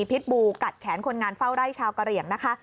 พิษบูกัดแขนคนงานเฝ้าไร่ชาวกะเหลี่ยงนะคะ